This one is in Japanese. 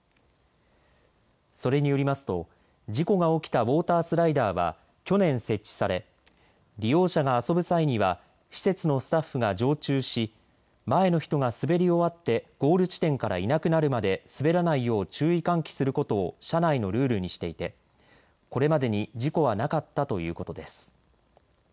それによりますと事故が起きたウォータースライダーは去年設置され利用者が遊ぶ際には施設のスタッフが常駐し前の人が滑り終わってゴール地点からいなくなるまで滑らないよう注意喚起することを社内のルールにしていてこれまでに事故はなかったということです。